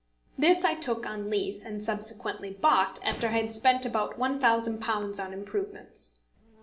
This I took on lease, and subsequently bought after I had spent about £1000 on improvements.